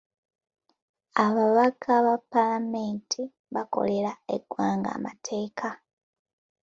Ababaka ba paalamenti bakolera eggwanga amateeka.